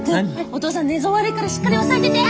お父さん寝相悪いからしっかり押さえてて！